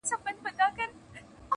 را ته ووایه عرضونه وکړم چا ته.!